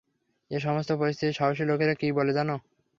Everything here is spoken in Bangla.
এ সমস্ত পরিস্থিতিতে সাহসী লোকেরা কী বলে জানো?